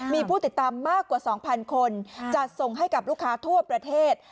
มีผู้ติดตามมากกว่า๒๐๐คนจัดส่งให้กับลูกค้าทั่วประเทศ